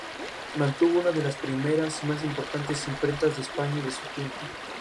Se echan en falta referencias de hemeroteca como soporte.